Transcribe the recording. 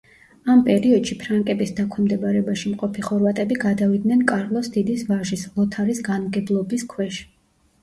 ამ პერიოდში ფრანკების დაქვემდებარებაში მყოფი ხორვატები გადავიდნენ კარლოს დიდის ვაჟის ლოთარის განმგებლობის ქვეშ.